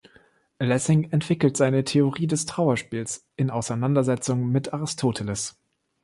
Lessing entwickelt seine Theorie des Trauerspiels in Auseinandersetzung mit Aristoteles.